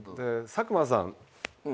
佐久間さん。